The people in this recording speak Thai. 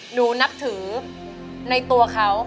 หนูนับถือในตัวเขา